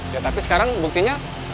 ya tapi sekarang buktinya